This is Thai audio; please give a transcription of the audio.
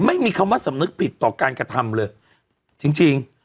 ไม่มีคำว่าสำนึกผิดต่อการกระทำเลยจริง